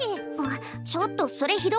ちょっとそれひどくない？